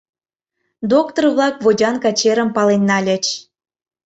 Доктор-влак водянка черым пален нальыч.